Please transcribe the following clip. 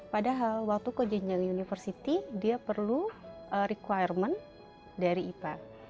padahal waktu ke jenjang university dia perlu requirement dari ipa